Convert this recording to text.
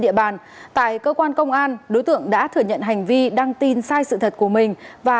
địa bàn tại cơ quan công an đối tượng đã thừa nhận hành vi đăng tin sai sự thật của mình và